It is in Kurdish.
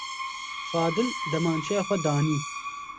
Fadil demançeya xwe danî.